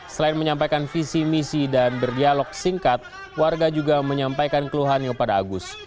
selain menyampaikan visi misi dan berdialog singkat warga juga menyampaikan keluhannya kepada agus